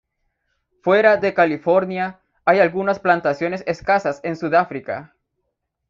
Fuera de California, hay algunas plantaciones escasas en Sudáfrica.